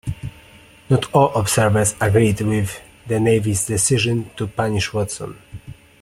Not all observers agreed with the Navy's decision to punish Watson.